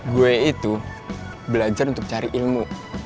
gue itu belajar untuk cari ilmu